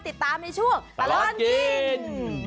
ติดตามในช่วงตลอดกิน